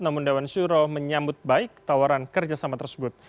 namun dewan syuroh menyambut baik tawaran kerjasama tersebut